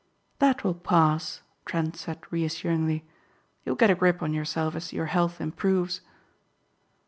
"That will pass," Trent said reassuringly, "you'll get a grip on yourself as your health improves."